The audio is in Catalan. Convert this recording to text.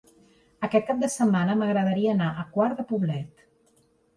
Aquest cap de setmana m'agradaria anar a Quart de Poblet.